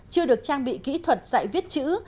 chưa được trang bị kỹ thuật dạy viết chữ